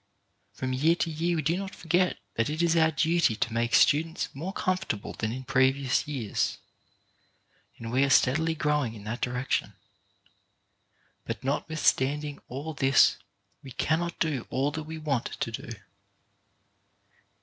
From year to year we do not forget that it is our duty to make students more comfortable than in pre vious years, and we are steadily growing in that direction. But notwithstanding all this we can not do all that we want to do.